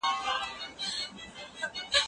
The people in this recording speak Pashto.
افغان زده کوونکي د غونډو جوړولو قانوني اجازه نه لري.